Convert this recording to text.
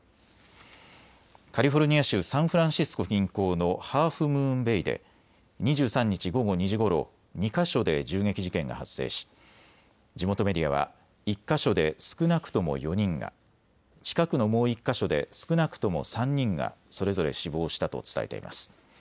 カリフォルニア州サンフランシスコ近郊のハーフムーンベイで２３日、午後２時ごろ２か所で銃撃事件が発生し地元メディアは１か所で少なくとも４人が近くのもう１か所で少なくとも３人がそれぞれ死亡したと伝えています。